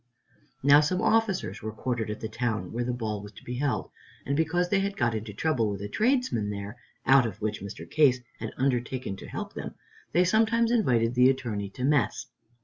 Now, some officers were quartered at the town where the ball was to be held. And because they had got into trouble with a tradesman there, out of which Mr. Case had undertaken to help them, they sometimes invited the Attorney to mess.